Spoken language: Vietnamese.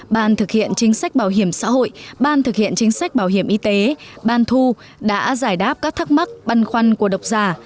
ban thực hiện chính sách bảo hiểm xã hội ban thực hiện chính sách bảo hiểm y tế ban thu đã giải đáp các thắc mắc băn khoăn của độc giả